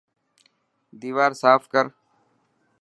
ديوار ساف ڪر.